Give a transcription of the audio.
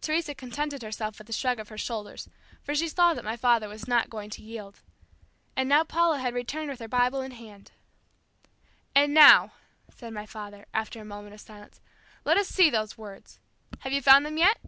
Teresa contented herself with a shrug of her shoulders, for she saw that my father was not going to yield. And now Paula had returned with her Bible in hand. "And now," said my father, after a moment of silence, "let us see those words. Have you found them yet?"